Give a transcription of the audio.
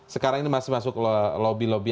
sekarang ini masih masuk lobby lobby